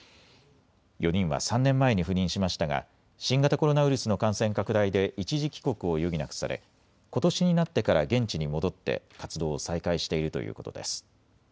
４人は３年前に赴任しましたが新型コロナウイルスの感染拡大で一時帰国を余儀なくされことしになってから現地に戻って活動を再開しているということです。